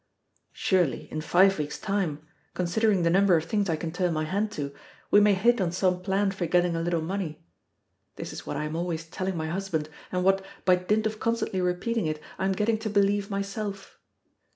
Surely, in five weeks' time considering the number of things I can turn my hand to we may hit on some plan for getting a little money. This is what I am always telling my husband, and what, by dint of constantly repeating it, I am getting to believe myself.